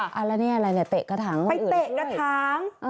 อันนี้อะไรเนี่ยไปเตะกระท้าง